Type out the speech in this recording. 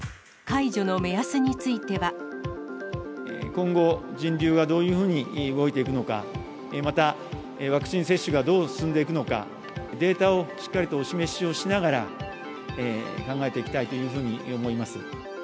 今後、人流がどういうふうに動いていくのか、またワクチン接種がどう進んでいくのか、データをしっかりとお示しをしながら、考えていきたいというふうに思います。